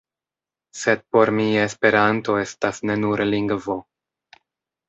Sed por mi "Esperanto" estas ne nur lingvo.